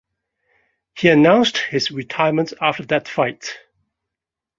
He announced his retirement after that fight.